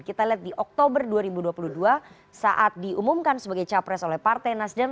kita lihat di oktober dua ribu dua puluh dua saat diumumkan sebagai capres oleh partai nasdem